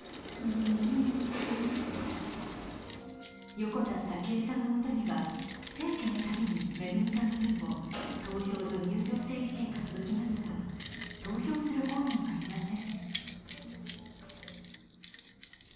横田早紀江さんのもとには選挙のたびにめぐみさんの分も投票所入場整理券が届きますが投票する本人はいません。